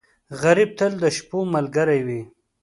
غریب تل د شپو ملګری وي